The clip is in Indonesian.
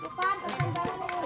yuk pulang yuk ipan